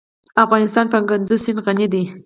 افغانستان په کندز سیند غني دی.